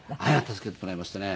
助けてもらいましたね。